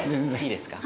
いいですか？